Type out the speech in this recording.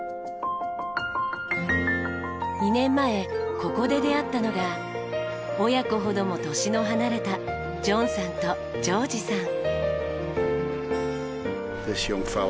２年前ここで出会ったのが親子ほども年の離れたジョンさんとジョージさん。